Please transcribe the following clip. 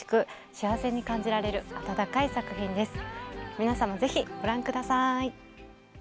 皆さんもぜひ、ご覧ください。